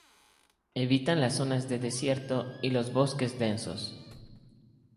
Evitan las zonas de desierto, y los bosques densos.